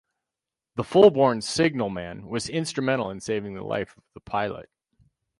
The Fulbourn signalman was instrumental in saving the life of the pilot.